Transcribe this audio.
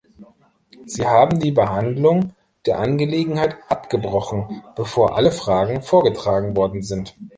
Sie haben die Behandlung der Angelegenheit abgebrochen, bevor alle Fragen vorgetragen worden sind.